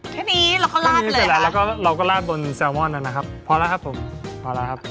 แค่นี้เราก็ลาดแค่เสร็จแล้วแล้วก็เราก็ลาดบนแซลมอนนะครับพอแล้วครับผมพอแล้วครับ